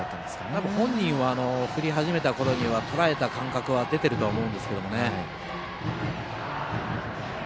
多分、本人は振り始めたころにはとらえた感覚は出ていると思いますけど。